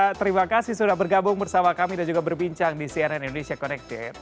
terima kasih sudah bergabung bersama kami dan juga berbincang di cnn indonesia connected